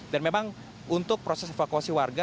dan memang untuk proses evakuasi warga